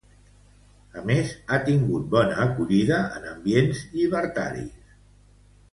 A més, ha tingut bona acollida en ambients llibertaris.